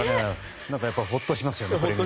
ほっとしますよね。